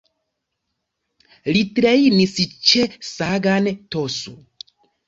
Li trejnis ĉe Sagan Tosu.